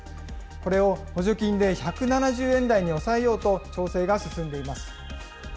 これを補助金で１７０円台に抑えようと調整が進んでいます。